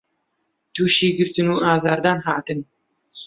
تووشی گرتن و ئازار دان هاتن